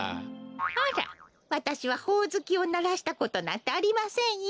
あらわたしはほおずきをならしたことなんてありませんよ。